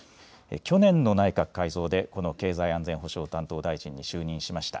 去年の内閣改造でこの経済安全保障担当大臣に就任しました。